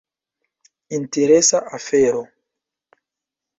Interesa afero.